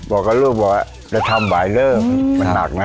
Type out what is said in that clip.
บอกกับรูปว่าจะทำหวายเริ่มมันหนักนะ